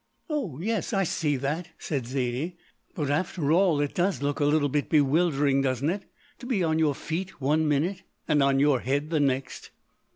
"Oh yes, I see that," said Zaidie, "but after all it does look a little bit bewildering, doesn't it, to be on your feet one minute and on your head the next?"